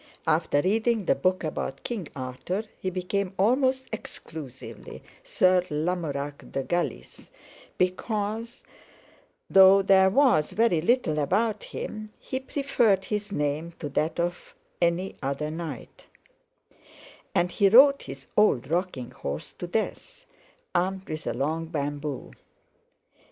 After reading the book about King Arthur he became almost exclusively Sir Lamorac de Galis, because, though there was very little about him, he preferred his name to that of any other knight; and he rode his old rocking horse to death, armed with a long bamboo.